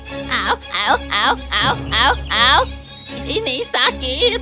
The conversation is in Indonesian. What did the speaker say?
au au au au au au ini sakit